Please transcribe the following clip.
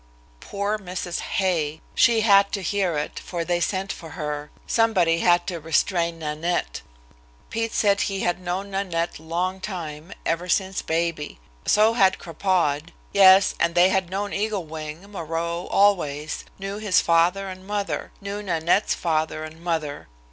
Poor Mrs. Hay! She had to hear it, for they sent for her; somebody had to restrain Nanette. Pete said he had known Nanette long time, ever since baby. So had Crapaud. Yes, and they had known Eagle Wing, Moreau, always knew his father and mother. Knew Nanette's father and mother.